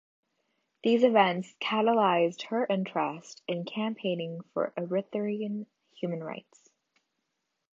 These events catalyzed her interest in campaigning for Eritrean human rights.